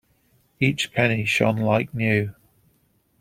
Each penny shone like new.